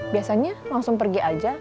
biasanya langsung pergi aja